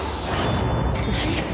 何！？